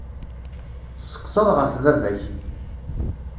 Tesseqsaḍ ɣef baba-k.